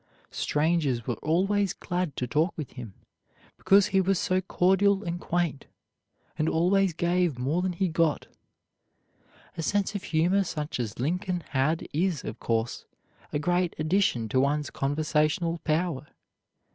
Strangers were always glad to talk with him because he was so cordial and quaint, and always gave more than he got. A sense of humor such as Lincoln had is, of course, a great addition to one's conversational power.